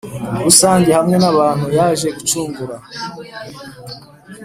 rusange hamwe n’abantu yaje gucungura.